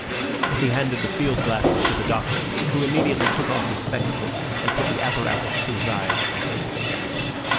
He handed the field glasses to the Doctor, who immediately took off his spectacles and put the apparatus to his eyes.